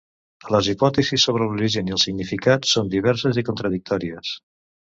Les hipòtesis sobre l'origen i el significat són diverses i contradictòries.